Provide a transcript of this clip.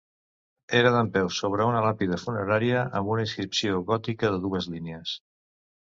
Era dempeus sobre una làpida funerària amb una inscripció gòtica de dues línies.